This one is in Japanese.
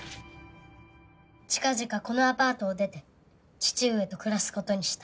近々このアパートを出て父上と暮らす事にした。